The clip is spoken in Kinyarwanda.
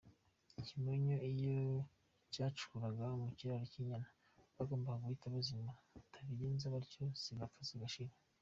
Ikimonyo iyo cyacukuraga mu kiraro cy’inyana bagombaga guhita bazimura, batabigenza batyo zigapfa zigashira.